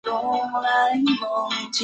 驼背丘腹蛛为球蛛科丘腹蛛属的动物。